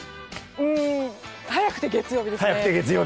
うーん。早くて月曜日ですね。